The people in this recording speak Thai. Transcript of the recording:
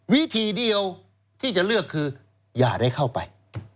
วิธีเดียวที่จะเลือกคืออย่าได้เข้าไป